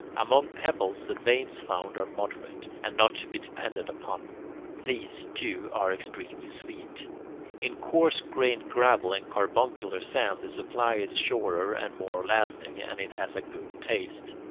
Among pebbles the veins found are moderate, and not to be depended upon. These, too, are extremely sweet. In coarse grained gravel and carbuncular sand the supply is surer and more lasting, and it has a good taste.